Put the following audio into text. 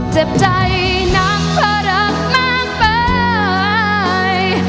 เจ็บใจหนักเพราะรักมากไป